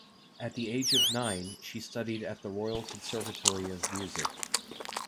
At the age of nine, she studied at the Royal Conservatory of Music.